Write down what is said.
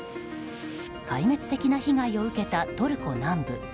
壊滅的な被害を受けたトルコ南部。